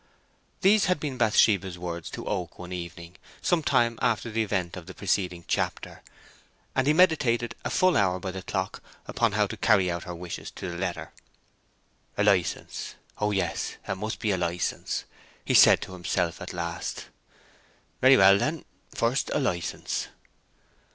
Those had been Bathsheba's words to Oak one evening, some time after the event of the preceding chapter, and he meditated a full hour by the clock upon how to carry out her wishes to the letter. "A license—O yes, it must be a license," he said to himself at last. "Very well, then; first, a license."